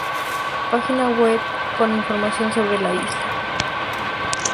Página web con información sobre la isla